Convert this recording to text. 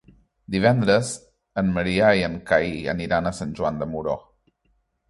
Divendres en Maria i en Cai aniran a Sant Joan de Moró.